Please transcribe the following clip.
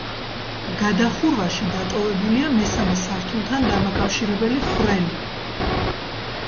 გადახურვაში დატოვებულია მესამე სართულთან დამაკავშირებელი ხვრელი.